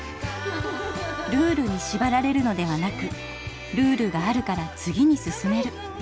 ルールにしばられるのではなくルールがあるから次に進める。